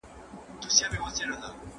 شيان د پلورونکي له خوا پلورل کيږي!.